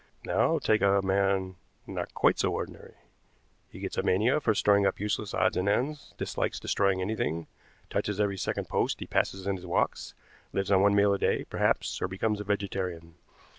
Now take a man not quite so ordinary. He gets a mania for storing up useless odds and ends, dislikes destroying anything, touches every second post he passes in his walks, lives on one meal a day, perhaps, or becomes a vegetarian.